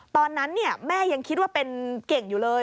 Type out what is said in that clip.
ตอนนั้นแม่ยังคิดว่าเป็นเก่งอยู่เลย